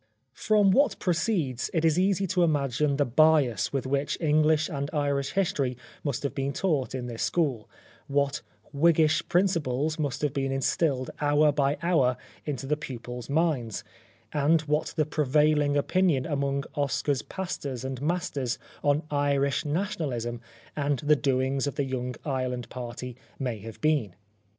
From what precedes it is easy to imagine the bias with which English and Irish history must have been taught in this school, what Whiggish principles must have been instilled hour by hour into the pupils' minds, and what the prevailing opinion among Oscar's pastors and masters on Irish Nationalism, and the doings of the Young Ireland Party may have been.